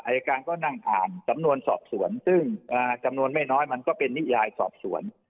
อายการก็นั่งอ่านสำนวนสอบสวนซึ่งจำนวนไม่น้อยมันก็เป็นนิยายสอบสวน